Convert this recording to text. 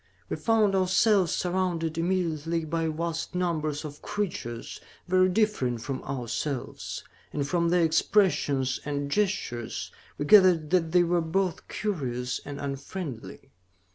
We found ourselves surrounded immediately by vast numbers of creatures very different from ourselves, and from their expressions and gestures, we gathered that they were both curious and unfriendly.